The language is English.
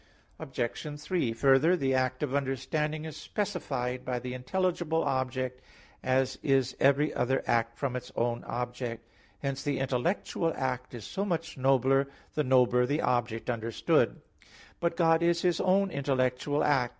Obj. 3: Further, the act of understanding is specified by the intelligible object, as is every other act from its own object. Hence the intellectual act is so much the nobler, the nobler the object understood. But God is His own intellectual act.